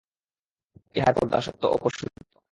ইহার ফল দাসত্ব ও পশুত্ব।